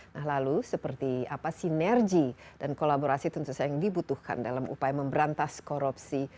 nah lalu seperti apa sinergi dan kolaborasi tentu saja yang dibutuhkan dalam upaya memberantas korupsi